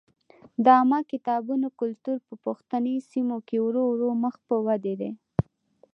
د عامه کتابتونونو کلتور په پښتني سیمو کې ورو ورو مخ په ودې دی.